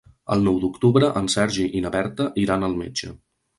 El nou d'octubre en Sergi i na Berta iran al metge.